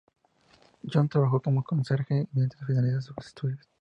Jon trabajó como conserje mientras finalizaba sus estudios.